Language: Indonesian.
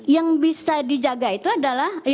yang bisa dijaga itu adalah